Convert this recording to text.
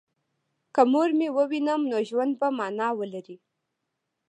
که مور مې ووینم نو ژوند به مانا ولري